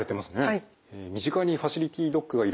はい。